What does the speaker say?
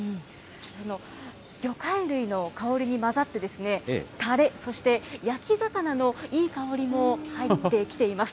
その魚介類の香りに混ざって、たれ、そして焼き魚のいい香りも入ってきています。